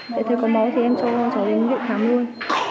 thế thì có máu thì em cho cháu đến viện khám luôn